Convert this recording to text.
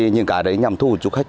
nhưng cả đấy nhằm thu hút du khách